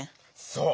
そう！